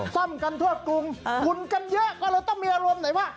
ซ่อมกันทั่วกรุงหุ่นกันเยอะก็เลยต้องมีอารมณ์ไหนว่า